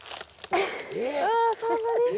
ああそんなに？